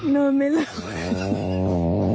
นอนไม่หลัง